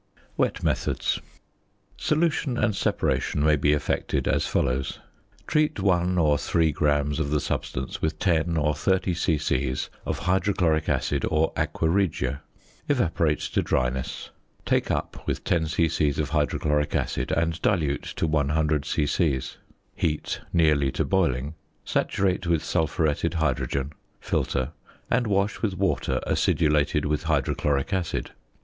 WET METHODS. Solution and separation may be effected as follows: Treat 1 or 3 grams of the substance with 10 or 30 c.c. of hydrochloric acid or aqua regia; evaporate to dryness; take up with 10 c.c. of hydrochloric acid and dilute to 100 c.c.; heat nearly to boiling; saturate with sulphuretted hydrogen; filter, and wash with water acidulated with hydrochloric acid.